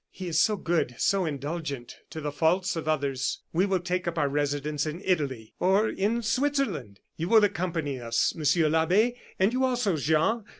He is so good, so indulgent to the faults of others. We will take up our residence in Italy or in Switzerland. You will accompany us, Monsieur l'Abbe, and you also, Jean.